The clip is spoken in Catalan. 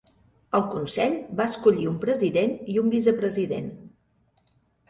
El consell va escollir un president i un vicepresident.